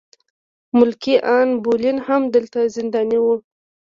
ملکې ان بولین هم دلته زنداني وه.